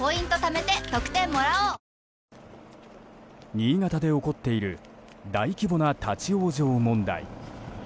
新潟で起こっている大規模な立ち往生問題。